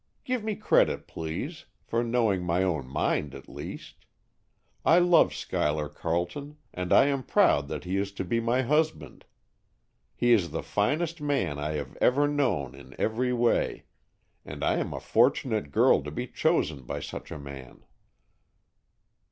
Give me credit, please, for knowing my own mind, at least. I love Schuyler Carleton, and I am proud that he is to be my husband. He is the finest man I have ever known in every way, and I am a fortunate girl to be chosen by such a man."